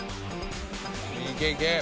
いけいけ！